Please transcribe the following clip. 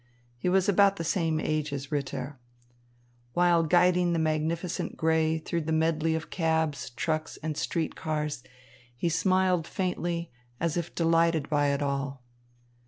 He was about the same age as Ritter. While guiding the magnificent grey through the medley of cabs, trucks, and street cars, he smiled faintly, as if delighted by it all.